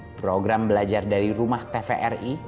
program belajar dari rumah tvri